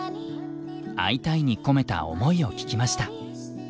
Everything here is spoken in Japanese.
「アイタイ！」に込めた思いを聞きました。